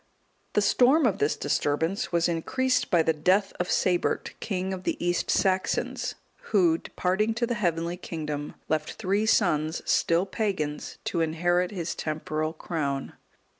The storm of this disturbance was increased by the death of Sabert, king of the East Saxons, who departing to the heavenly kingdom, left three sons, still pagans, to inherit his temporal crown.